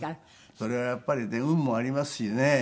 それはやっぱりね運もありますしね。